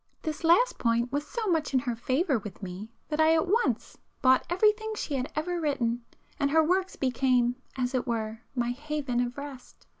This last point was so much in her favour with me that I at once bought everything she had ever written, and her works became, as it were, my haven of rest.